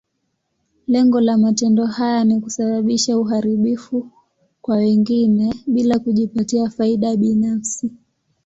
Lengo la matendo haya ni kusababisha uharibifu kwa wengine, bila kujipatia faida binafsi.